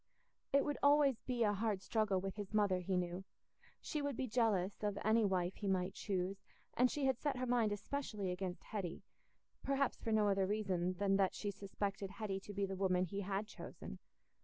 It would always be a hard struggle with his mother, he knew: she would be jealous of any wife he might choose, and she had set her mind especially against Hetty—perhaps for no other reason than that she suspected Hetty to be the woman he had chosen.